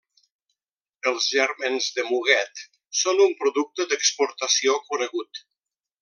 Els gèrmens de muguet són un producte d'exportació conegut.